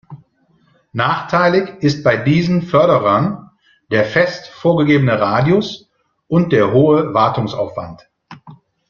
Nachteilig ist bei diesen Förderern der fest vorgegebene Radius und der hohe Wartungsaufwand.